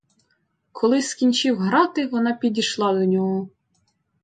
Коли скінчив грати, вона підійшла до нього.